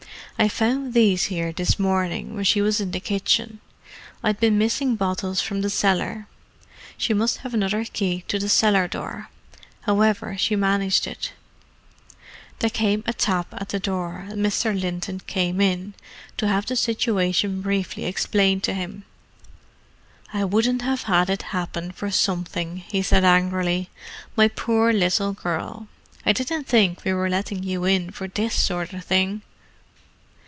"I found these 'ere this morning when she was in the kitchen: I'd been missing bottles from the cellar. She must have another key to the cellar door, 'owever she managed it." There came a tap at the door, and Mr. Linton came in—to have the situation briefly explained to him. "I wouldn't have had it happen for something," he said angrily. "My poor little girl, I didn't think we were letting you in for this sort of thing."